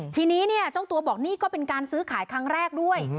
ทีนี้เนี่ยเจ้าตัวบอกนี่ก็เป็นการซื้อขายครั้งแรกด้วย